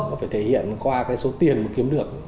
nó phải thể hiện qua cái số tiền mà kiếm được